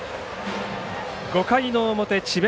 ５回の表智弁